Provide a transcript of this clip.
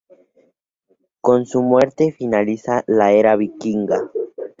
Con su muerte finaliza la era vikinga.